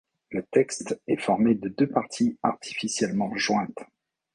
Le texte est formé de deux parties artificiellement jointes.